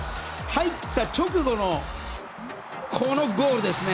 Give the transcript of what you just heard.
入った直後のこのゴールですね。